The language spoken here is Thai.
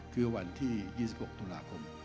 คือวันที่๒๖ตุลาคม